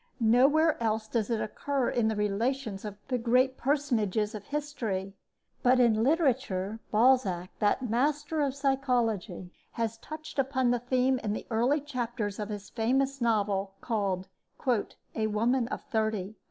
Nowhere else does it occur in the relations of the great personages of history; but in literature Balzac, that master of psychology, has touched upon the theme in the early chapters of his famous novel called "A Woman of Thirty."